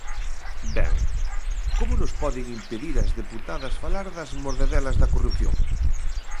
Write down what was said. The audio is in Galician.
Ben, ¿como nos poden impedir ás deputadas falar das mordedelas da corrupción?